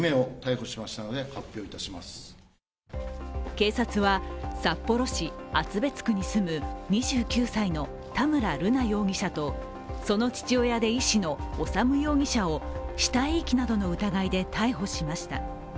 警察は札幌市厚別区に住む２９歳の田村瑠奈容疑者とその父親で医師の修容疑者を死体遺棄などの疑いで逮捕しました。